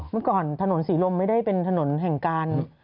เมื่อก่อนถนนศรีลมไม่ได้เป็นถนนแห่งการ